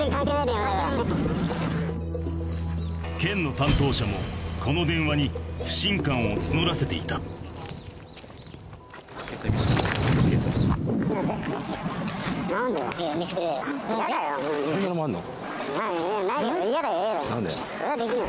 県の担当者もこの電話に不信感を募らせていた何で？